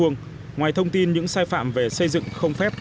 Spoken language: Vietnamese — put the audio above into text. ngoài thông tin những sai phạm về xây dựng không phép